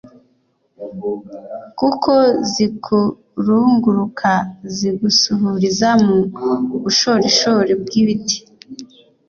kuko zikurunguruka zigusuhuriza mu bushorishori bw'ibiti.